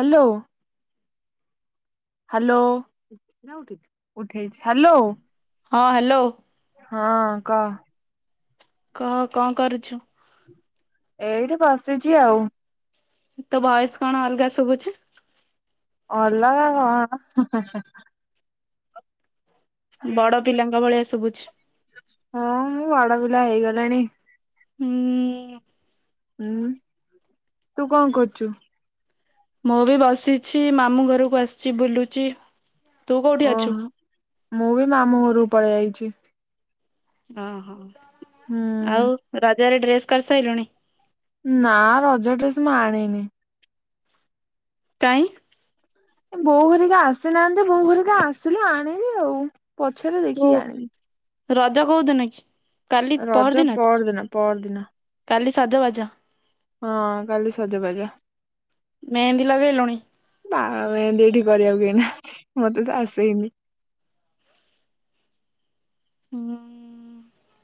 Hello. Hello ଉଠେଇଛି hello. ହଁ hello. ହଁ କହ। କହ କଣ କରୁଛୁ। ଏଇଠି ବସିଛି ଆଉ। ତୋ ଭୟସ କଣ ଅଲଗା ଶୁଭୁଛି? ଅଲଗା କଣ ହେଁ ହେଁ ହେଁ ହେଁ। ବଡ ପିଲାଙ୍କ ଭଳିଆ ସୁବୁଛି। ହଁ ମୁଁ ବଡ ପିଲା ହେଇଗଲିଣି। ହୁଁ ଉଁ। ହୁଁ ତୁ କଣ କରୁଛୁ? ମୁଁ ବି ବସିଛି ମାମୁଁ ଘରକୁ ଆସିଛି ବୁଲୁଛି ତୁ କୋଉଠି ଅଛୁ? ଓହୋ ମୁଁ ବି ମାମୁଁ ଘରକୁ ପଳେଇ ଆଇଛି। ଓହୋ ହୁଁ। ଆଉ ରଜରେ ଡ୍ରେସ୍ କରିସାଇଲୁଣି? ନା ରଜ ଡ୍ରେସ ମୁଁ ଆଣିନି। କାଇଁ। ଏ ବୋଉ ହେରିକା ଆସିନାହାଁନ୍ତି ବୋଉ ହେରିକା ଆସିଲେ ଆଣିବି ଆଉ ପଛରେ ଓ ଦେଖିକି ଆଣିବି। ରଜ କଉଦିନ କି କାଲି, ପହରଦିିନ? ପହର ଦିନ। କାଲି ସଜ ବାଜ। ହଁ କାଲି ସଜବାଜ। ମେହେନ୍ଦି ଲଗେଇ ଲୁଣି? ନା ମେହେନ୍ଦି ଏଠି କରିବାକୁ କେହି ନାହାନ୍ତି ମତେ ତ ଆସେନି। ହୁଁ।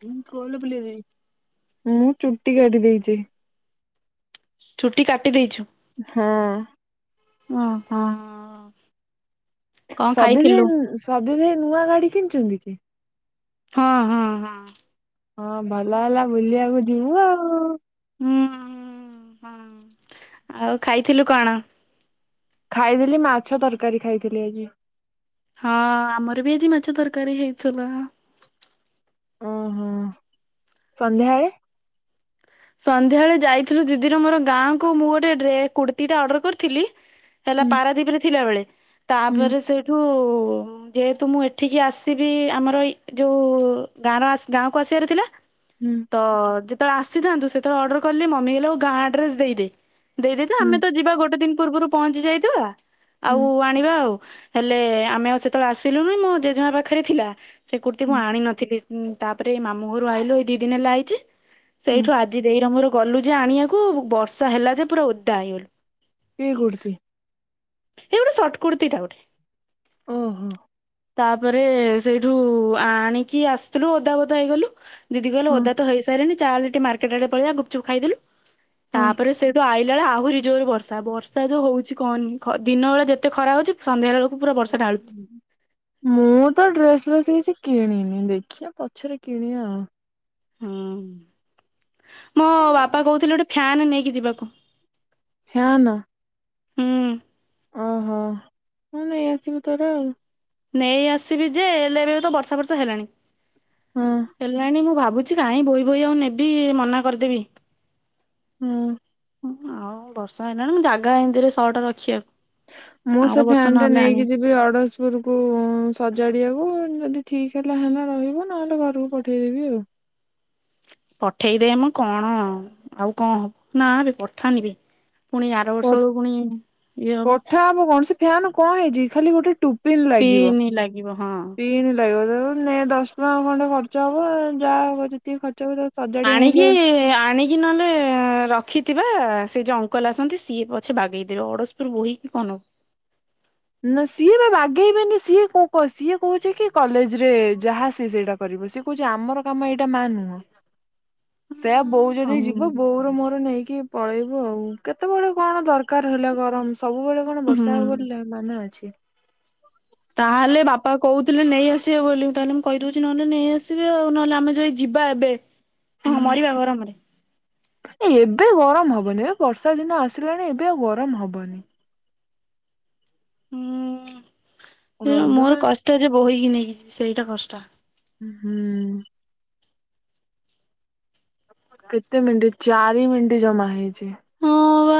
ମୁଁ ଗୋଲ ବୁଲେଇ ଦେଇଛି, ମୁଁ ଚୁଟି କାଟି ଦେଇଛି। ଚୁଟି କାଟି ଦେଇଛୁ? ହଁ। ଓହୋ। କଣ ସଭିନି ଖାଇଥିଲୁ? ସଭିନୀ ନୂଆ ଗାଡି କିଣିଛନ୍ତି କି? ହଁ ହଁ ହଁ। ହଁ ଭଲ ହେଲା ବୁଲିବାକୁ ଯିବୁ ଆଉ। ହୁଁ ହୁଁ। ଆଉ ଖାଇଥିଲୁ କଣ? ଖାଇଥିଲି ମାଛ ତରକାରୀ ଖାଇଥିଲି ଆଜି। ହଁ ଆମର ବି ଆଜି ମାଛ ତରକାରୀ ହେଇଥିଲା। ଓହୋ, ସନ୍ଧ୍ୟାବେଳେ ସନ୍ଧ୍ୟାବେଳେ ଯାଇଥିଲୁ ଦିଦିର ମୋର ଗାଁକୁ ମୁଁ ଗୋଟେ ଡ୍ରେ କୁର୍ତ୍ତିଟା ଅର୍ଡର କରିଥିଲି। ହେଲା ହୁଁ ପାରାଦୀପରେ ଥିଲାବେଳେ ହୁଁ ତାପରେ ସେଇଠୁ ଯେହେତୁ ମୁଁ ଏଠିକି ଆସିବି ଆମର ଏଇ ଯୋଉ ଗାଁର ଗାଁକୁ ଆସିବାର ଥିଲା। ହୁଁ। ହଁ ଯେତେବେଳେ ଆସିଥାନ୍ତୁ ସେତେବେଳେ ଅର୍ଡର କଲି ମମି କହିଲା ହଉ ଗାଁ ଆଡ୍ରେସ ଦେଇଦେ। ଦେଇଦେଇଥା ହୁଁ ଆମେ ତ ଯିବା ଗୋଟେ ଦିନ ପୂର୍ବରୁ ପହଞ୍ଚି ଯାଇଥିବା ଆଉ ହୁଁ ଆଣିବା ଆଉ ହେଲେ ଆମେ ଆଉ ସେତେବେଳେ ଆସିଲୁନି ମୋ ଜେଜେମା ପାଖରେ ଥିଲା। ସେ କୁର୍ତ୍ତି ମୁଁ ଆଣିିନଥିଲି ତାପରେ ଏଇ ମାମୁଁ ଘରୁ ଆଇଲୁ ଏଇ ଦି ଦିନ ହେଲା ଆଇଛି। ହୁଁ ସେଇଠୁ ଆଜି ଦେଇର ମୋର ଗଲୁ ଯେ ଆଣିବାକୁ ବର୍ଷା ହେଲା ଯେ ପୁରା ଓଦା ହେଇଗଲୁ। କି କୁର୍ତ୍ତି? ହେଇ ଗୋଟେ ସର୍ଟ କୁର୍ତୀ ଟା ଗୋଟେ। ଓ ହୋ। ତାପରେ ସେଇଠୁ ଆଣିକି ଆସିଥିଲୁ ଅଧା ଓଦା ହେଇଗଲୁ। ଦିଦି କହିଲା ହଁ ଓଦା ତ ହେଇସାରିଲେଣି ଚାଲେ ଟିକେ ମାର୍କେଟ ଆଡେ ପଳେଇବା ଗୁପଚୁପ ଖାଇଦେଲୁ। ହଁ। ତାପରେ ସେ ସେଠୁ ଆଇଲାବେଳେ ଆହୁରି ଜୋରରେ ବର୍ଷା। ବର୍ଷା ଯୋଉ ହଉଛି କହନି, ଦିନ ବେଳେ ଯେତେ ଖରା ହଉଛି ସନ୍ଧ୍ୟାବେଳକୁ ପୁରା ବର୍ଷା ଢାଳୁଛି। ମୁଁ ତ ଡ୍ରେସ ଫ୍ରେସ୍ କିଛି କିଣିନି, ଦେଖିବା ପଛରେ କିଣିବା ଆଉ। ମୋ ବାପା କହୁଥିଲେ ଗୋଟେ ଫ୍ୟାନ ନେଇକି ଯିବାକୁ। ଫ୍ୟାନ। ହୁଁ ଓହୋ ହଉ ନେଇ ଆସିବୁ ତୋର ଆଉ। ନେଇ ଆସିବି ଯେ ହେଲେ ଏବେ ତ ବର୍ଷା ବର୍ଷା ହେଲାଣି ହଁ। ହେଲାଣି ମୁଁ ଭାବୁଛି କାହିଁ ବୋହି ବୋହି ଆଉ ନେବି ମନା କରିଦେବି। ହୁଁ। ଆଉ ବର୍ଷା ହେଲାଣି ମୁଁ ଜାଗା ଏମିତିରେ ସର୍ଟ ରଖିବାକୁ ମୁଁ ଆର ସେ ବର୍ଷ ଫ୍ୟାନ୍ ଟା ନହେଲେ ଆଣି ନେଇକି ଯିବି ଅର୍ଡର [unintelligible] ସଜାଡ଼ିବାକୁ ଯଦି ଠିକ୍ ହେଲା ହେଲା ରହିବ ନହେଲେ ଘରକୁ ପଠେଇଦେବି ଆଉ। ପଠେଇଦେମ କଣ ଆଉ, ଆଉ କଣ ହବ ନା ରେ ପଠାନି ବେ। ପୁଣି ଆର ଆଉ। ବର୍ଷ ବେଳକୁ ପୁଣି ଇଏ ହବ। ପଠା ହବ କଣ ସେ ଫ୍ୟାନ କଣ ହେଇଛି। ଖାଲି ଗୋଟେ ଟୁପିନ ଲାଗିବ ପିନି ଲାଗିବ ହଁ। ପିନ୍ ଲାଗିବ। ନାଇଁ ଦଶ ଟଙ୍କା ଖଣ୍ଡେ ଖର୍ଚ୍ଚ ହବ ଯାହା ହବ ଯେତିକି ଖର୍ଚ୍ଚ ହବ ସଜାଡି ଆଣିଲେ ଆଣିକି ଆଣିକି କି ନହେଲେ ରଖିଥିବା ସେ ଯୋଉ ଅଙ୍କଲ ଆସନ୍ତି ସିଏ ପଛେ ବାଗେଇଦେବେ। ଅଡଶପୁର ବୋହି କି କଣ ନବ। ନା ସିଏ ବା ବାଗେଇବେନି ସିଏ ସିଏ କହୁଛି କି କଲେଜରେ ଯାହା ସିଏ ସେଇଟା କରିବୁ ସେ କହୁଚି ଆମର କାମ ଏଇଟା ମା ନୁହଁ ସେଇଆ ବୋଉ ଜଦି ଯିବ ବୋଉର ମୋର ନେଇକି ପଳେଇବୁ ଆଉ କେତେବେଳେ କଣ ଦରକାର ହେଲା ଗରମ ସବୁବେଳେ କଣ ହୁଁ ବର୍ଷା ହବ ବୋଲି ମାନେ ଅଛି। ତାହେଲେ ବା ପା କହୁଥିଲେ ନେଇ ଆସିବେ ବୋଲି ତାହେଲେ ମୁଁ କହିଦଉଚି ନହେନେ ନେଇ ଆସିବେ ଆଉ ନହେଲେ ଆମେ ଯାଇ ଯିବା ଏବେ। ହଁ ହୁଁ ମରିବା ଗରମରେ ଏ ଏବେ ଗରମ ହବନି ବା ବର୍ଷା ଦିନ ଆସିଲାଣି ଏବେ ଆଉ ଗରମ ହବନି। ହୁଁ ହେଲେ ରଜ ମୋର ପାଇଁ କଷ୍ଟ ଯେ ବୋହିକି ନେଇକି ଯିବି ସେଇଟା କଷ୍ଟ। ଓହୋ କେତେ ମିନିଟ ଚାରି ମିନିଟ ଜମା ହେଇଚି। ହଁ ବା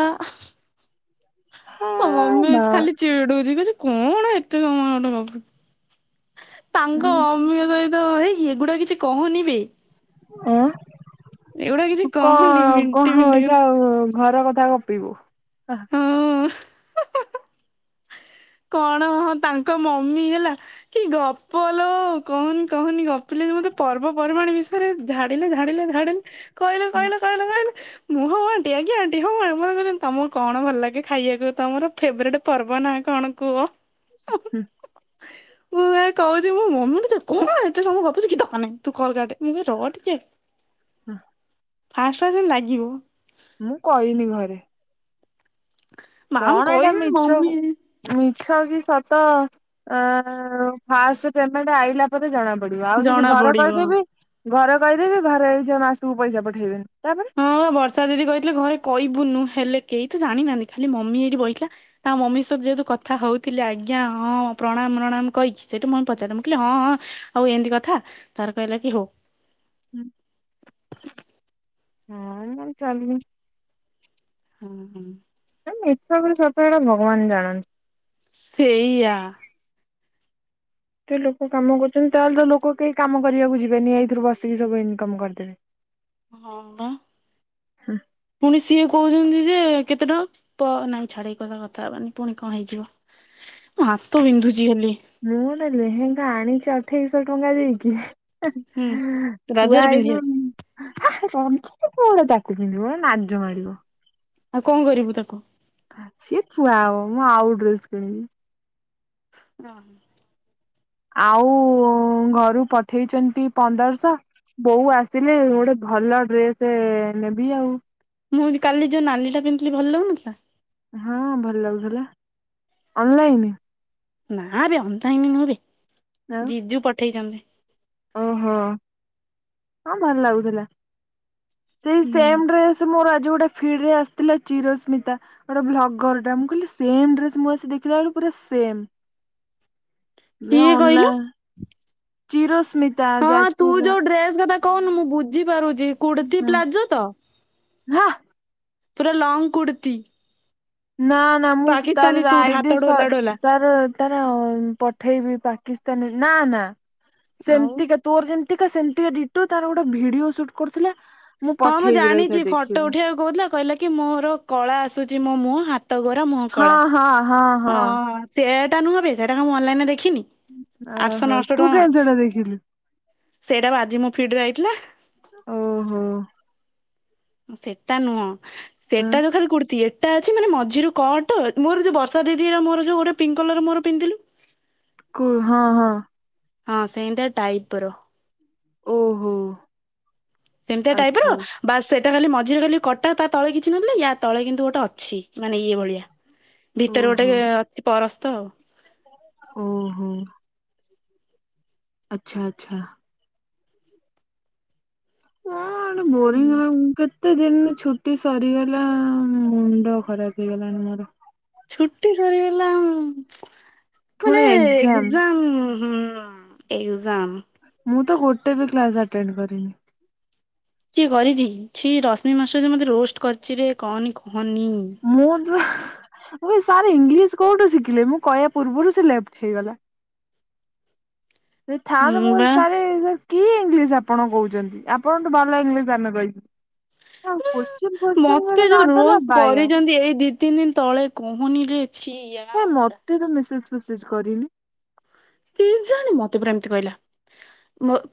ଆ ମୋ ମମି ବା ଚି ଖାଲି ଚିଡୁଚି କହୁଚି କଣ ଏତେ ସମୟ ଗୋଟେ ଗପୁଚୁ ତାଙ୍କ ଅମୀୟ ସହି ତ ହେଇ ଏଗୁଡା କିଛି କହନି ବେ ଆଁ ଏଗୁଡା କିଛି କହନି କଣ କଁ ମିଣ୍ଟି ମିଣ୍ଟି ହେଇଚି ଆଉ ଘର କଥା ଗପିବୁ ଆହା ଓ କଣ ହଁ ତାଙ୍କ ମମି ହେଲା କି ଗପଲୋ କହନି କହନି ଗପିଲେ ଯେ ମତେ ପର୍ବପର୍ବାଣୀ ବିଷୟରେ ଝାଡିଲେ ଝାଣିଲେ ଝାଡିଲେ କହିଲେ କହିଲେ କହିଲେ କହିଲେ ମୁଁ ହଉ ଆଣ୍ଟି ଆଜ୍ଞା ଆଣ୍ଟି ହଉ ମା ମତେ କହୁଚନ୍ତି ତମକୁ କଣ ଭଲ ଲାଗେ? ଖାଇବାକୁ ତମର ଫେବରାଇଟ ପର୍ବ ନା କଣ? କୁହ? ଉ ହୁଁ ମୁଁ ବା କହୁଚି ମୋ ମମି ତ ଚି କଣ ଏତେ ସମୟ ଗପୁଚି କିଛି ଦରକାର ନାହିଁ ତୁ କଲ କାଟେ ମୁଁ କହିଲି ରହ ଟିକେ ହୁଁ ଫାଷ୍ଟ ଫାଷ୍ଟ ସେମିତି ଲାଗିବ ମୁଁ କଇନି ଘରେ ମାମ୍ କଣ ଏଇଟା କହିବେ ମିଛ ମମି କ ମିଛ କି ସତ ଆଁ ଫାଷ୍ଟ ପେମେଣ୍ଟ ଆଇଲା ପରେ ଜଣା ପଡିବ ଆଉ ଯଦି ଜଣା ଘର ପଡିବ। କହିଦେବି ଘର କହିଦେବି ଘରେ ହେଇଯେ ମାସକୁ ପଇସା ପଠେଇବେନି ତାପରେ ହଁ ବା ବର୍ଷା ଦିଦି କହିଥିଲେ ଘରେ କହିବୁନୁ ହେଲେ କେହି ତ ଜାଣିନାହାନ୍ତି ଖାଲି ମମି ଏଇଠି ବଇଥିଲା ତା ମମି ସହ ଯେହେତୁ କଥା ହଉଥିଲେ ଆଜ୍ଞା ହଁ ପ୍ରଣାମ ପ୍ରଣାମ କହିକି ସେଇଠୁ ମୁଁ ପଚାରିଲି ମୁଁ କହିଲି ହଁ ହଁ ଆଉ ଏମିତି କଥା ତାର କହିଲା କି ହଉ। ଉଁ ହଁ ମୁଁ ଚାଲିଲି ହୁଁ ହୁଁ ଏ ମିଛ କଁ ସତ ହେଇଟା ଭଗବାନ ଜାଣନ୍ତି ସେଇଆ ଏତେ ଲୋକ କାମ କରୁଚନ୍ତି ତାହେଲେ ତ ଲୋକ କେହି କାମ କରିବାକୁ ଯିବେନି ଏଇଥିରୁ ବସିକି ସବୁ ଇନକମ କରିଦେବେ। ହଁ ବା ପୁଣି ସିଏ କହୁଛନ୍ତି ଯେ କେତେ ଟଙ୍କା ପ ନାଇଁ ଛାଡେ ଏଇ କଥା କଥା ହେବାନି ପୁଣି କଁ ହେଇଯିବ ମୋ ହାତ ବିନ୍ଧୁଚି ଖାଲି ମୁଁ ଗୋଟେ ଲେହେଙ୍ଗା ଆଣିଚି ଅଠେଇଶହ ଟଙ୍କା ଦେଇକି ଏ ହୁଁ ରଜରେ ଥୁଆହେଇଥିବ ପିନ୍ଧିବାକୁ ହା ଏ ଗଞ୍ଜିକି କଣ ତାକୁ ପିନ୍ଧିବ ଏ ନାଜ ମାଡିବ ଆଉ କଁ କରିବୁ ତାକୁ? ଆଜି ଥୁଆ ହେବ, ମୁଁ ଆଉ ଡ୍ରେସ୍ କିଣିବି। ହଁ। ଆଉ ଘରୁ ପଠେଇଛନ୍ତି ପନ୍ଦରଶହ। ବୋଉ ଆସିଲେ ଗୋଟେ ଭଲ ଡ୍ରେସ ନେବି ଆଉ। ମୁଁ କାଲି ଯୋଉ ନାଲିଟା ପିନ୍ଧିଲି ଭଲ ଲାଗୁନଥିଲା? ହଁ ଭଲ ଲାଗୁଥିଲା ଅନଲାଇନ? ନାବେ ଅନଲାଇନ ନୁହଁ ବେ ଆଉ। ଜିଜୁ ପଠେଇଛନ୍ତି। ଓହୋ ହଁ ଭଲ ଲାଗୁଥିଲା। ସେଇ ହୁଁ ସେମ ଡ୍ରେସ ମୋର ଆଜି ଗୋଟେ ଫିଡ ରେ ଆସିଥିଲା ଚିରସ୍ମିତା। ଗୋଟେ ବ୍ଲଗର ଟା ମୁଁ କହିଲି ସେମ ଡ୍ରେସ ମୁଁ ଆସି ଦେଖିଲା ବେଳୁ ପୁରା ସେମ୍। ଏ କିଏ କହିଲୁ ଅନଲାଇନ ଚିରୋ ସ୍ମି? ହଁ ତୁ ଯୋଉ ଡ୍ରେସ କଥା କହୁନୁ ମୁଁ ବୁଝିପାରୁଛି, କୁର୍ତ୍ତିୀ ପ୍ଲାଜୋ ତ? ହଁ। ପୁରା ଲଙ୍ଗ କୁର୍ତ୍ତୀ। ନା ନା ମୁଁ ତାର ସୁଟ ରାଇଡି ହାତ ସ ଢୋଲା ଢୋଲା ତାର ତାର ପଠେଇବି ପାକିସ୍ତାନୀ ନା ନା ଆଉ ସେମିତିକା ତୋର ଯେମିତି ତିକା ସେମିତିକା ଡିଟୋ ତାର ଗୋଟେ ଭିଡିଓ ସୁଟ୍ କରୁଥିଲା ହଁ ମୁଁ ପଠେଇବି ରହିଥା ଜାଣିଛି ଫଟୋ ଦେଖିବୁ। ଉଠେଇବାକୁ କହୁଥିଲା କହିଲା କି ମୋର କଳା ଆସୁଛି ମୋ ମୁହଁ ହାତ ଗୋରା ମୁହଁ ହଁ କଳା। ହଁ ହଁ ହଁ ସେଟା ନୁହଁବେ ସେଇଟା ମୁଁ ଅନଲାଇନରେ ଦେଖିନି। ଆଠଶହ ଓହୋ ନଅଶହ ତୁ ଟଙ୍କା କେମିତି ସେଟା ଦେଖିଲୁ? ସେଇଟା ବା ଆଜି ମୁଁ ଫିଡିରେ ଆଇଥିଲା। ଓହୋ। ସେଟା ନୁହଁ ଆଁ ସେଟା ଯୋଉ ଖାଲି କୁର୍ତ୍ତୀ ଏଟା ଅଛି ମାନ ମଝିରୁ କଟ ମୋର ଯୋଉ ବର୍ଷା ଦି ମୋର ଯୋଉ ଗୋଟେ ପିଙ୍କ କଲର ମୋର ପିନ୍ଧିଥିଲୁ କୁ ହଁ ହଁ। ହଁ ସେଇମିତି ଟାଇପ୍ ର। ଓହୋ। ସେମିତିଆ ଟାଇପ ର ଆଚ୍ଛା। ବାସ୍ ସେଇଟା ଖାଲି ମଝିରେ ଖାଲି କଟା ତା ତଳେ କିଛି ନଥିଲା ୟା ତଳେ କିନ୍ତୁ ଗୋଟେ ଅଛି ମାନେ ଇଏ ଭଳିଆ। ଭିତରେ ଗୋଟେ ଓହୋ ଅଛି ପରସ୍ତ ତ। ଓ ହୋ। ଆଚ୍ଛା ଆଚ୍ଛା। କଣ ବୋରିଂ ହୁଁ। ଲାଗୁଛି କେତେ କେତେ ଦିନି ଛୁଟି ସରିଗଲା ମୁଣ୍ଡ ଖରାପ ହେଇଗଲାଣି ମୋର। ଛୁଟି ସରିଗଲା ଉଁ ମାନେ ପୁଣି ଏକ୍ଜାମ [unintelligible] ହୁଁ ଏକ୍ଜାମ। ମୁଁ ତ ଗୋଟେ ବି କ୍ଲାସ ଆଣ୍ଟେଣ୍ଡ କରିନି। କିଏ କରିଛି ଛି ରଶ୍ମି ମାଷ୍ଟର ଯେ ମତେ ରୋଷ୍ଟ କରିଛି ରେ କହନି କହନି। ମୁଁ ତ ସାର୍ ଇଂଲିଶ କୋଉଠୁ ଶିଖିଲେ ମୁଁ କହିବା ପୂର୍ବରୁ ସେ ଲେପ୍ଟ ହେଇଗଲା। ଯଦି ଥାନ୍ତା ହୁଁ ମୁଁ ବା କହିବି ସାର୍ କି ଇଂଲିଶ ଆପଣ କହୁଛନ୍ତି ଆପଣଠୁ ଭଲ ଇଂଲିଶ ଆମେ କହିବୁ। ତାଙ୍କ କୋଶ୍ଚିନ୍ ଫୋଶ୍ଚିନ୍ ମତେ ଯଦି ଯୋଉ ନଦେଲା ରୋଲ୍ ବାୟା। ଏଇ ଦି କରିଚନ୍ତି ଦିନ ଦି ତିନି ଦିନି ତଳେ କୁହନିରେ ଛିଏଁ କାଇଁ ମତେ ତ ମେସେଜ ଫେସେଜ କରିନି। କେଜାଣି ମତେ ପରା ଏମିତି କହିଲା।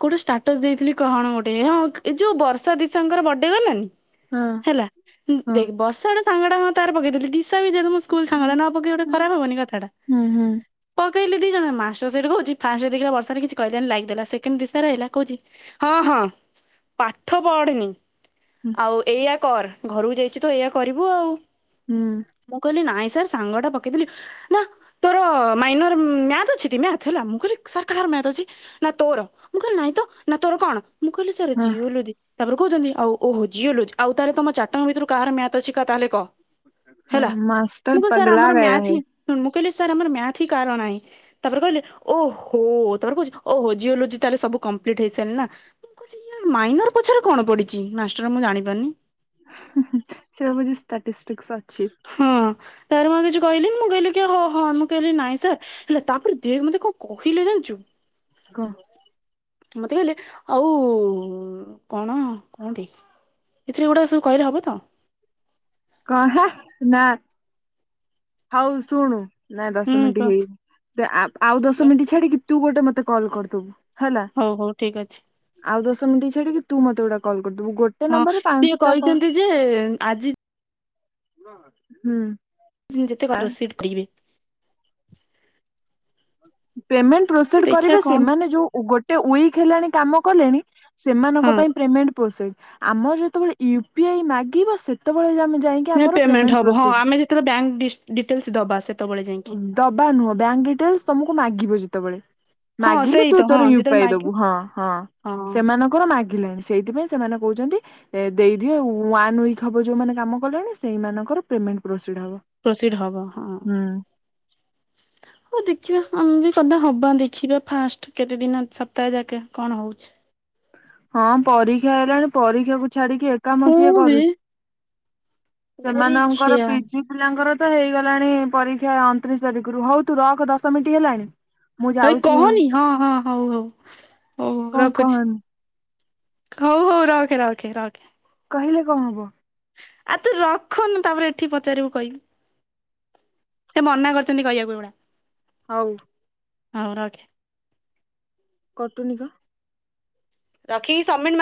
କୋଉଠି ଷ୍ଟାଟସ ଦେଇଥିଲି କଣ ଗୋଟେ ହଁ ଏ ଯୋଉ ବର୍ଷା ଦିଶାଙ୍କର ବର୍ଡେ ଗଲାଣି? ହଁ ହେଲା ହଁ ଦେଖ ବର୍ଷାଟା ସାଙ୍ଗଡା ହଁ ତାର ପକେଇଦଥିଲି ଦିସା ଦିଶା ଜେଣୁ ମୋ ସ୍କୁଲ ସାଙ୍ଗ ଟା ହୁଁ ନ ପକେଇ ଗୋଟେ ହୁଁ। ଖରାପ ହବନି କଥାଟା ପକେଇଲି ଦି ଜଣ ମା ସେଠୁ କହୁଛି ଫାଷ୍ଟ ଦେଖିଲା ବର୍ଷାର କିଛି କହିଲାନି ଲାଇକ୍ ଦେଲା। ସେକେଣ୍ଡ ଦିଶା ଆଇଲା କହୁଛି ହଁ ହଁ ପାଠ ପଢନି ହୁଁ ଆଉ ଏଇଆ କର ଘରକୁ ଯାଇଛୁ ତ ଏଇଆ କରିବୁ ଆଉ। ହୁଁ। ମୁଁ କହିଲି ନାଇଁ ସାର୍ ସାଙ୍ଗଟା ପକେଇଥିଲି ନା ତୋର ମାଇନର ମ୍ୟାଥ ଅଛି ଟି ମ୍ୟାଥ। ଥିଲା ମୁଁ କହିଲି ସାର୍ କାହାର ମ୍ୟାଥ ଅଛି ନା ତୋର ମୁଁ କହିଲି ନାଇଁ ତ ନା ତୋର କଣ? ମୁଁ କହିଲି ସାର୍ ହଁ ଜିଓଲଜି। ତାପରେ କହୁଛନ୍ତି ଆଉ ଓହୋ ଜିଅଲୋଜି ଆଉ ତାହେଲେ ତମ ଚାରିଟଙ୍କ ଭିତରୁ କାହାର ମ୍ୟାଥ ଅଛି କା ତାହେଲେ କହ? ହଁ ହେଲା ମାଷ୍ଟର ମୁଁ କହିଲି ସାର ପଗଲା ଆମର ଗୟା ମ୍ୟାଥ ହେ। ହିଁ ମୁଁ କହିଲି ସାର୍ ଆମର ମ୍ୟାଥହିଁ କାହାର ନାହିଁ। ତାପରେ କହିଲେ ଓହୋ ତାପରେ କହୁଛି ଓହୋ ଜିଓଲୋଜି ତାହେଲେ ସବୁ କମ୍ପ୍ଲିଟ ହେଇସାରିଲ ନା। ମୁଁ କହିଲି ମାଇନର ପଛରେ କଣ ପଡିଛି ମାର୍ଷ୍ଟର ମୁଁ ଜାଣି ପାରୁନି। ହୁଁ ହୁଁ ସେ ଭାବୁଛି ଷ୍ଟାଟିଷ୍ଟିକସ ଅଛି। ହଁ ତାପରେ ମୁଁ ଆଉ କିଛି କହିଲି ମୁଁ କହଲି କି ହ ହଁ ମୁଁ କହଲି ନାଁଇ ସାର୍ ହେଲା ତାପରେ ଦେ ମୋତେ କଣ କହିଲେ ଜାଣିଛୁ? କଣ? ମତେ କହିଲେ ଆଉ କଣ କଣନ୍ତି ଏଥିରେ ଏଗୁଡ଼ା ସବୁ କହିଲେ ହବ ତ। କଣ ନା ହଉ ଶୁଣୁ। ନାଇଁ ଦଶ ହୁଁ ମିନିଟ୍ ତ ହେଇନି ସେ ଆଉ ଦଶ ମିନିଟ୍ ଛାଡିକି ତୁ ଗୋଟେ ମତେ କଲ୍ କରିଦବୁ। ହେଲା। ହଉ ହଉ ଠିକ ଅଛି। ଆଉ ଦଶ ମିନିଟ ଛାଡିକି ତୁ ମତେ ଗଟା କଲ କରିଦେବୁ ଗୋ ହଁ ସିଏ କହିଛନ୍ତି ଯେ ଆଜି ହୁଁ। ଯେତେ କ ଆ ରୋସିପ୍ଟ ପିବେ। ପେମେଣ୍ଟ ପ୍ରୋସିଡ ଦେଖିବା କରିବେ କଣ ସେମାନେ ଯୋଉ ଗୋଟେ ୱିକ ହେଲାଣି କାମ କଲେଣି। ସେମାନଙ୍କ ହଁ ପାଇଁ ପେମେଣ୍ଟ ପୋସେ ଆମର ଯେତେବେଳେ ୟୁ ପି ଆଇ ମାଗିବ ସେ ସେତେବେଳେ ଆମେ ଯାଇକି ଆମର ପେମେଣ୍ଟ ହବ ହଁ ପ୍ରୋସିର। ଆମେ ଯେତେବେଳେ ବ୍ୟାଙ୍କ ଡିଟେଲ୍ସ ଦବା ସେତେବେଳେ ଯାଇକି। ଦବା ନୁହଁ ବ୍ୟାଙ୍କ ଡିଟେଲସ ତମକୁ ମାଗିବ ଯେତେବେଳେ। ହଁ ମାଗିଲେ ସେଇ ତୁ ତ ହଁ ତୋର ୟୁ ଯେତେବେଳେ ପାଇ ମାଗିବ ଦବୁ ହଁ ହଁ ହଁ ସେମାନଙ୍କର ମାଗିଲାଣି ସେଇଥିପାଇଁ ସେମାନେ କହୁଛନ୍ତି ଦେଇଦିଅ ୱାନ ୱିକ୍ ହବ ଯୋଉମାନେ କାମ କଲେଣି ସେଇମାନଙ୍କର ପେମେଣ୍ଟ ପ୍ରୋସିଡ ହବ। ପ୍ରସିଡ ହବ ହଁ। ହୁଁ [unintelligible] ହଉ ଦେଖିବା ଆମେ ବି କଦା ହବା ଦେଖିବା ଫାଷ୍ଟ କେତେ ଦିନ ସପ୍ତାହ ଯାକେ କଣ ହଉଛି। ହଁ ପରୀକ୍ଷା ଆଇଲାଣି ପରୀକ୍ଷାକୁ ଛାଡିକି ଏକାମ କିଏ ମୁଁ ବି କରୁଛି। ସେମାନଙ୍କର ପରୀକ୍ଷା ପିଜି ପିଲାଙ୍କର ତ ହେଇଗଲାଣି ପରୀକ୍ଷା ଅଣତିରିଶ ତାରିଖରୁ ହଉ ତୁ ରକ ଦଶମିଟି ହେଲାଣି। ମୁଁ ହେଇ ଯାଉଛି କହନି ହଁ ହଁ ହଉ ହଉ ହଉ କଣ ରଖୁଛି କହନି ହଉ ହଉ ରଖେ ରଖେ ରଖେ। କହିଲେ କଣ ହବ। ଆ ତୁ ରଖୁନୁ ତାପରେ ଏଠି ପଚାରିବୁ କହିବୁ। ସେ ମନା କରିଛନ୍ତି କହିବାକୁ ଏଗୁଡ଼ା। ହଉ। ହୁଁ ରଖେ। କଟୁନି କଁ। ରଖିକି ସବମିଟ ମା